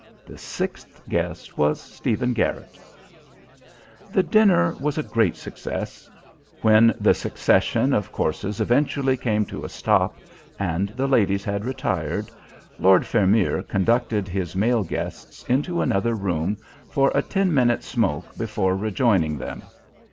The sixth guest was Stephen Garrit. The dinner was a great success. When the succession of courses eventually came to a stop, and the ladies had retired, Lord Vermeer conducted his male guests into another room for a ten minutes' smoke before rejoining them.